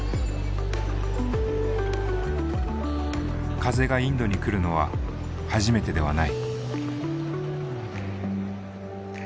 風がインドに来るのは初めてではない。